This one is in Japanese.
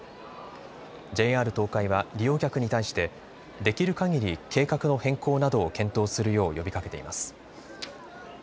ＪＲ東海は利用客に対してできるかぎり計画の変更などを検討するよう呼びかけています。